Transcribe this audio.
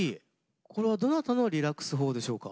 これはどなたのリラックス法でしょうか？